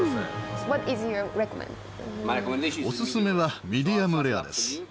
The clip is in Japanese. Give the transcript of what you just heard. おススメはミディアムレアです。